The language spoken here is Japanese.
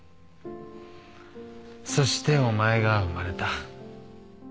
そしてお前が生まれた。